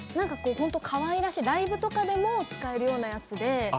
かわいらしい、ライブとかでも使えるようなやつで。